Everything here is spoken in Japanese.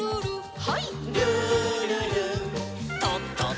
はい。